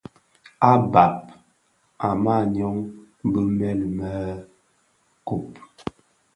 À bab a màa nyɔng bi mëli mɛ kob.